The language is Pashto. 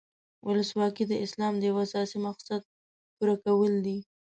ولسواکي د اسلام د یو اساسي مقصد پوره کول دي.